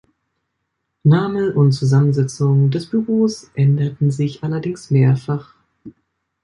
Name und Zusammensetzung des Büros änderten sich allerdings mehrfach.